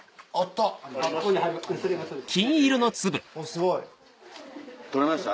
すごい。採れました？